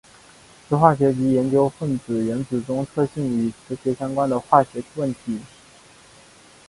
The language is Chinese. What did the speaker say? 磁化学即研究分子原子中特性与磁学相关的化学问题。